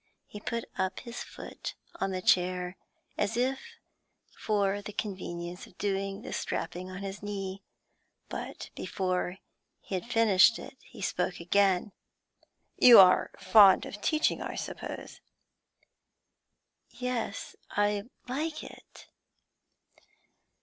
He put up his foot on the chair, as if for the convenience of doing the strapping on his knee, but before he had finished it he spoke again. 'You are fond of teaching, I suppose?' 'Yes, I like it.'